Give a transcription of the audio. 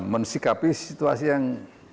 mensikapi situasi yang